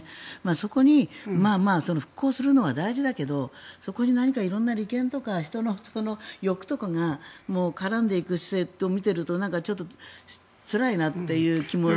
そこに、まあまあ復興するのは大事だけどそこに何か色んな利権とか人の欲とかが絡んでいく姿勢を見ているとちょっとつらいなっていう気も。